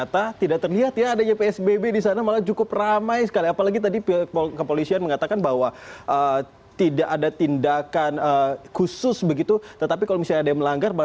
tidak boleh terlalu banyak di dalam mobil